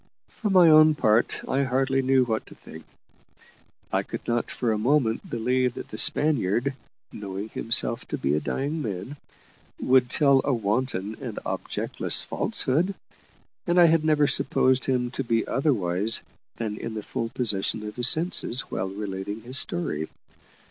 For my own part, I hardly knew what to think. I could not for a moment believe that the Spaniard, knowing himself to be a dying man, would tell a wanton and objectless falsehood; and I had never supposed him to be otherwise than in the full possession of his senses whilst relating his story.